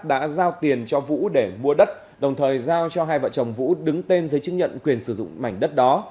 đã giao tiền cho vũ để mua đất đồng thời giao cho hai vợ chồng vũ đứng tên giấy chứng nhận quyền sử dụng mảnh đất đó